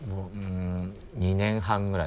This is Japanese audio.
２年半ぐらい。